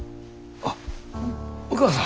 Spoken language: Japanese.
あっお義母さん。